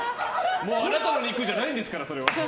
あなたの肉じゃないんですからそれは。